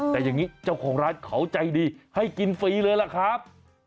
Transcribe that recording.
แต่อย่างนี้เจ้าของร้านเขาใจดีให้กินฟรีเลยล่ะครับ